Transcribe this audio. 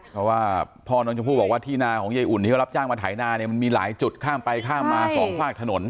เพราะว่าพ่อน้องชมพู่บอกว่าที่นาของยายอุ่นที่เขารับจ้างมาไถนาเนี่ยมันมีหลายจุดข้ามไปข้ามมาสองฝากถนน